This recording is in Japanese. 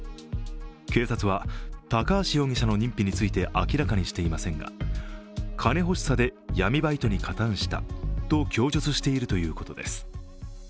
警察は高橋容疑者の認否について明らかにしていませんが、金欲しさで闇バイトに加担したと供述しているということです。